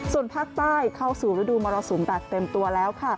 ส่วนภาคใต้เข้าสู่ฤดูมรสุมแบบเต็มตัวแล้วค่ะ